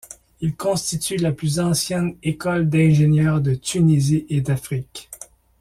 Il constitue la plus ancienne école d'ingénieurs de Tunisie et d'Afrique.